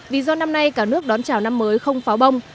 vì do năm nay cả nước đón chào năm mới không pháo bông